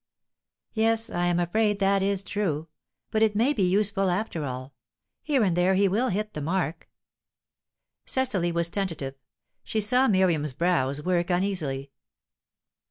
"Yes, I am afraid that is true. But it may be useful, after all. Here and there he will hit the mark." Cecily was tentative. She saw Miriam's brows work uneasily.